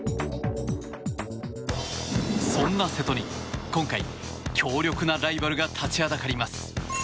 そんな瀬戸に今回、強力なライバルが立ちはだかります。